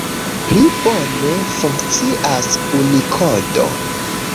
Pli bone funkcias Unikodo.